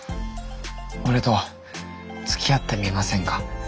俺とつきあってみませんか？